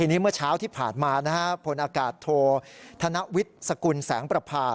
ทีนี้เมื่อเช้าที่ผ่านมานะฮะผลอากาศโทษธนวิทย์สกุลแสงประพา